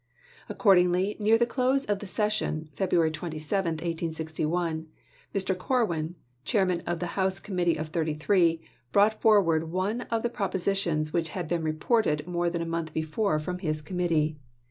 Accordingly, near the close of the session (February 27, 1861), Mr. Corwin, Chairman of the House Committee of Thirty three, brought forward one of the proposi tions which had been reported more than a month before from his Committee.